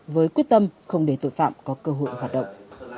với quyết tâm không để tội phạm có cơ hội hoạt động